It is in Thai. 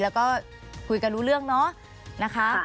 แล้วก็คุยกันรู้เรื่องเนาะนะคะ